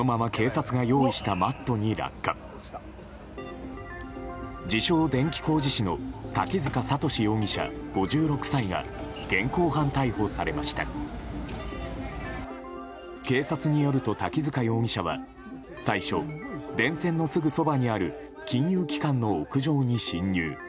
警察によると滝塚容疑者は最初、電線のすぐそばにある金融機関の屋上に侵入。